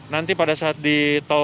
nanti pada saat di tol